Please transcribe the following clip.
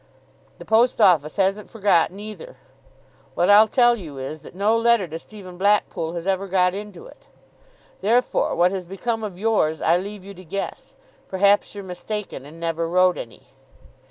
The post office hasn't been forgotten either. What I'll tell you is, that no letter to Stephen Blackpool has ever got into it. Therefore, what has become of yours, I leave you to guess. Perhaps you're mistaken, and never wrote any.